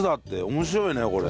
面白いねこれ。